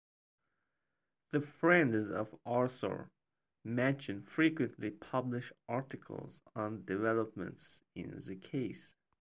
The Friends of Arthur Machen frequently publish articles on developments in the case.